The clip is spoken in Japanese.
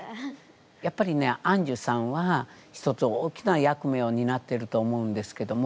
やっぱりねあんじゅさんは一つ大きな役目をになってると思うんですけども。